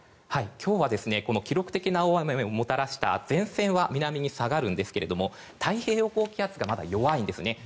今日は記録的な大雨をもたらした前線は南に下がるんですけれども太平洋高気圧がまだ弱いんですよね。